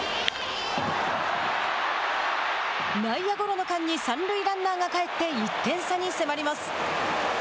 内野ゴロの間に三塁ランナーが帰って１点差に迫ります。